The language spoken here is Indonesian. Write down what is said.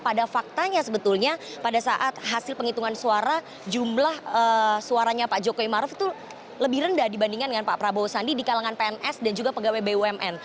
pada faktanya sebetulnya pada saat hasil penghitungan suara jumlah suaranya pak jokowi maruf itu lebih rendah dibandingkan dengan pak prabowo sandi di kalangan pns dan juga pegawai bumn